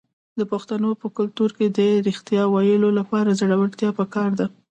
د پښتنو په کلتور کې د ریښتیا ویلو لپاره زړورتیا پکار ده.